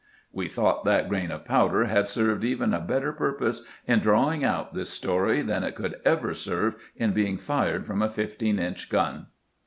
" We thought that grain of powder had served even a better purpose in drawing out this story than it could ever serve in being fired from a fifteen inch gun.